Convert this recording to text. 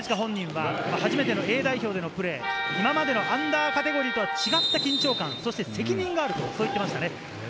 金近本人は初めてのＡ代表でのプレー、今までのアンダーカテゴリーとは違った緊張感、責任がある、そう言っていました。